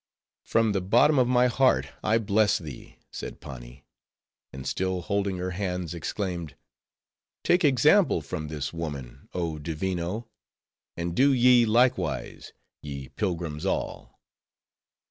"From the bottom of my heart I bless thee," said Pani; and still holding her hands exclaimed, "Take example from this woman, oh Divino; and do ye likewise, ye pilgrims all."